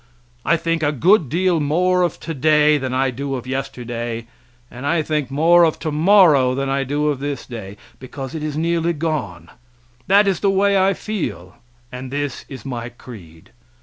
I think a good deal more of today than I do of yesterday, and I think more of tomorrow than I do of this day; because it is nearly gone that is the way I feel, and this my creed.